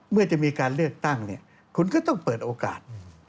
เมื่อจะมีการเลือกตั้งคุณก็ต้องเปิดโอกาส